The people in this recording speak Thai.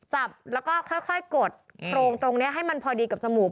จับแล้วก็ค่อยกดโครงตรงนี้ให้มันพอดีกับจมูก